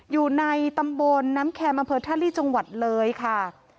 อยู่ในตำบลน้ำแคมอำเภอท่าลีจังหวัดเลยค่ะ